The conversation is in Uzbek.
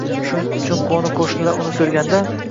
Shuning uchun qoʻni qoʻshnilar uni koʻrganda: